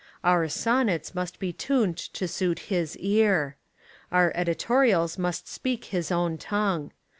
Our sonnets must be tuned to suit his ear. Our editorials must speak his own tongue.